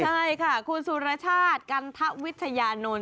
ใช่ค่ะคุณสุภาษากัณฑวิทยานนท์